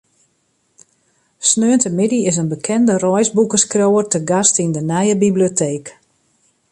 Sneontemiddei is in bekende reisboekeskriuwer te gast yn de nije biblioteek.